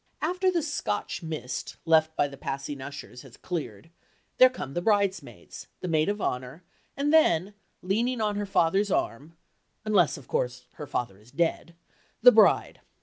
After the Scotch mist left by the passing ushers has cleared, there come the bridesmaids, the maid of honor, and then, leaning on her father's arm (unless, of course, her father is dead), the bride.